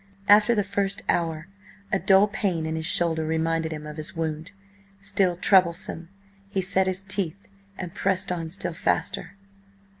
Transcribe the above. After the first hour a dull pain in his shoulder reminded him of his wound, still troublesome. He set his teeth and pressed on still faster.